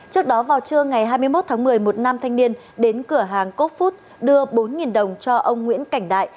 trước đó vào trưa ngày hai mươi một tháng một mươi một nam thanh niên đến cửa hàng cop food đưa bốn đồng cho ông nguyễn cảnh đại